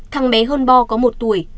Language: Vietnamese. thằng bé hôn bo có một đứa